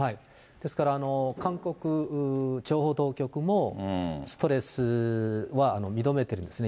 ですから、韓国情報当局も、ストレスは認めてるんですね。